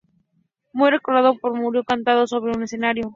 Muy recordado porque murió cantando sobre un escenario.